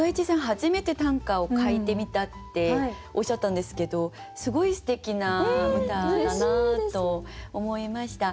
初めて短歌を書いてみたっておっしゃったんですけどすごいすてきな歌だなと思いました。